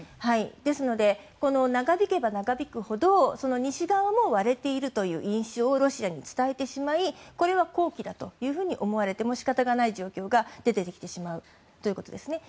ですので長引けば長引くほど西側も割れているという印象をロシアに伝えてしまいこれを好機だと思われても仕方がない状況が出てきてしまうということです。